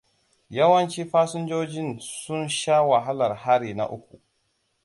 Yawancin fasijojin sun sha wahalar hari na uku.